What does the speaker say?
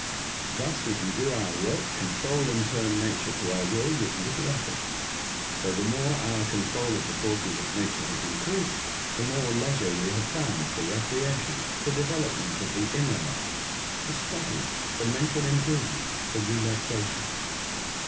Thus, we can do our work, control and turn nature to our will, with little efibrfc. So the more our control of the forces of nature has increased, the more leisure we have found for recreation, for development of the inner life, for study, for mental improve ment, for relaxation.